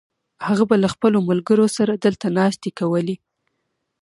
هغه به له خپلو ملګرو سره دلته ناستې کولې.